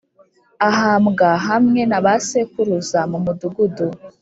Ahambwa hamwe na ba sekuruza mu mudugudu